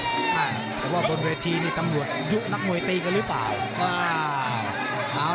แต่ว่าบนเวทีนี่ตำรวจยุคนักมวยตีกันหรือเปล่า